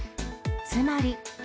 つまり。